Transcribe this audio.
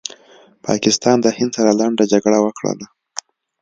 پاکستان د هند سره لنډه جګړه وکړله